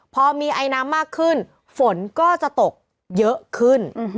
พอมีไอน้ำมากขึ้นฝนก็จะตกเยอะขึ้น